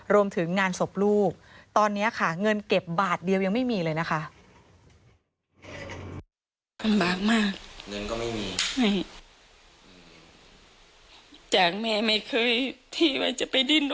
รวมถึงงานศพลูกตอนนี้ค่ะเงินเก็บบาทเดียวยังไม่มีเลยนะคะ